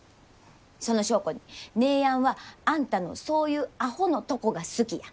その証拠に姉やんはあんたのそういうアホのとこが好きや。